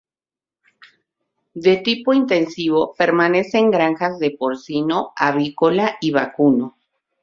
De tipo intensivo permanecen granjas de porcino, avícola y vacuno.